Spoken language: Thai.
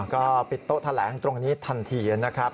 ก็ปิดโต๊ะแถลงตรงนี้ทันทีนะครับ